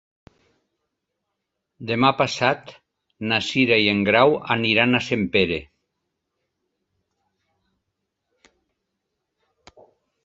Demà passat na Cira i en Grau aniran a Sempere.